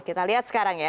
kita lihat sekarang ya